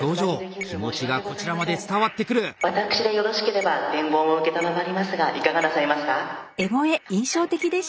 私でよろしければ伝言を承りますがいかがなさいますか？